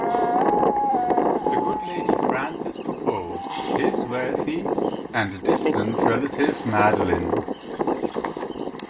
The "good lady" Francis proposed: his wealthy and distant relative Madeleine.